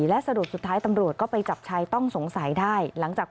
และสะดวกสุดท้ายตำรวจก็ไปจับฉายต้องสงสัยได้